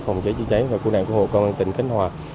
phòng cháy chữa cháy và cứu nạn cứu hộ công an tỉnh khánh hòa